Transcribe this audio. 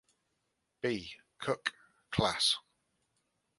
B. Cook, Class.